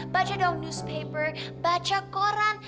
baca dong newspaper baca koran